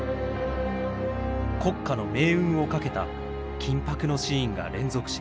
国家の命運を懸けた緊迫のシーンが連続します。